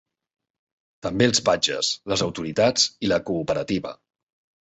També els patges, les autoritats i la cooperativa.